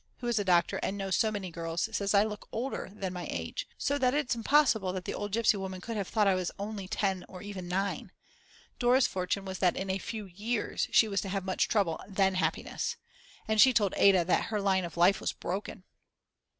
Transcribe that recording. who is a doctor and knows so many girls, says I look older than my age. So that it's impossible that the old gypsy woman could have thought I was only 10 or even 9. Dora's fortune was that in a few years she was to have much trouble and then happiness. And she told Ada that her line of life was broken!!